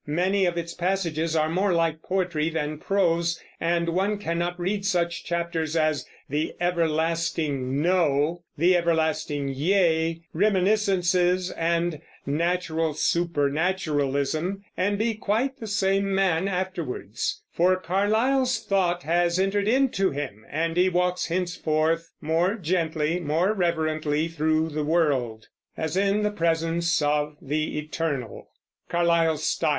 Many of its passages are more like poetry than prose; and one cannot read such chapters as "The Everlasting No," "The Everlasting Yea," "Reminiscences," and "Natural Supernaturalism," and be quite the same man afterwards; for Carlyle's thought has entered into him, and he walks henceforth more gently, more reverently through the world, as in the presence of the Eternal.